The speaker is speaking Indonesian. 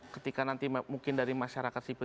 ketika nanti mungkin dari masyarakat sipil